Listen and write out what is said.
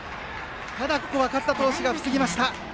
ただ、勝田投手が防ぎました。